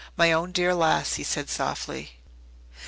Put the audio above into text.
"My own dear lass!" he said softly.